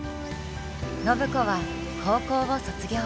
暢子は高校を卒業。